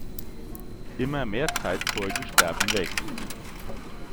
Immer mehr Zeitzeugen sterben weg.